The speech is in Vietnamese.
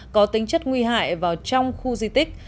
có tính chất nguy hại vào trong khu di tích